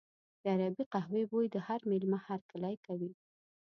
د عربي قهوې بوی د هر مېلمه هرکلی کوي.